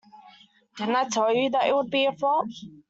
Didn't I tell you it would be a flop?